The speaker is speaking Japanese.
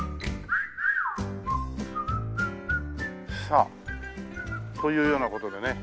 さあというような事でね